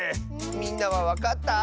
みんなはわかった？